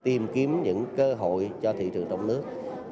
tìm kiếm những cơ hội cho thị trường trong nước